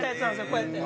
こうやって。